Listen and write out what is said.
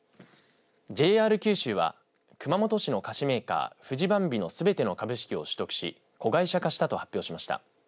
ＪＲ九州は熊本市の菓子メーカーフジバンビのすべての株式を取得し子会社化したと発表しました。